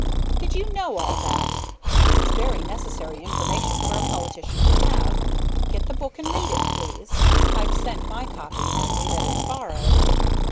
Did you know all that? It's very necessary information for a politician to have. Get the book and read it, please; I'd send my copy only that it's borrowed.